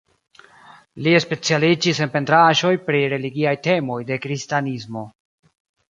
Li specialiĝis en pentraĵoj pri religiaj temoj de kristanismo.